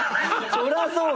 そりゃそうよ。